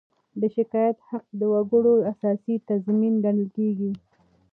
د شکایت حق د وګړو اساسي تضمین ګڼل کېږي.